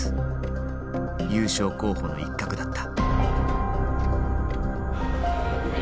優勝候補の一角だった。